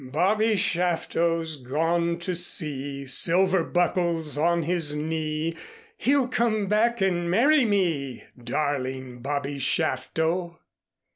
Bobby Shafto's gone to sea Silver buckles on his knee He'll come back and marry me Darling Bobby Shafto.